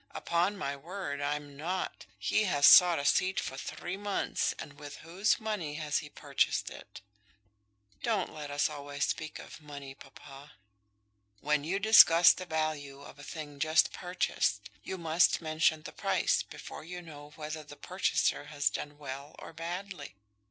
"Upon my word, I'm not. He has bought a seat for three months; and with whose money has he purchased it?" "Don't let us always speak of money, papa." "When you discuss the value of a thing just purchased, you must mention the price before you know whether the purchaser has done well or badly.